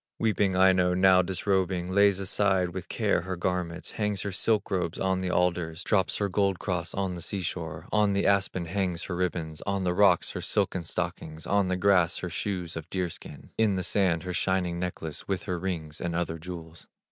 Weeping Aino, now disrobing, Lays aside with care her garments, Hangs her silk robes on the alders, Drops her gold cross on the sea shore, On the aspen hangs her ribbons, On the rocks her silken stockings, On the grass her shoes of deer skin, In the sand her shining necklace, With her rings and other jewels.